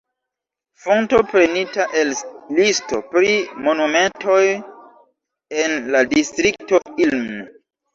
Fonto prenita el listo pri monumentoj en la Distrikto Ilm.